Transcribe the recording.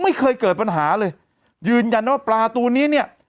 ไม่เคยเกิดปัญหาเลยยืนยันว่าปลาตัวนี้เนี่ย